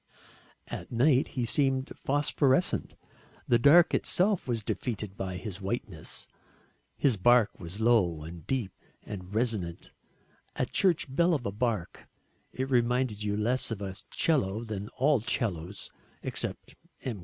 At night he seemed phosphorescent, the dark itself was defeated by his whiteness. His bark was low and deep and resonant a church bell of a bark it reminded [Transcriber's note: original reads 'remainded'] you less of a 'cello than all 'cellos except M.